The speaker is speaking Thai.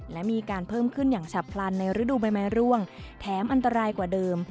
และมีการเพิ่มขึ้นอย่างฉับพลันในฤดูใบไม้ร่วงแถมอันตรายกว่าเดิม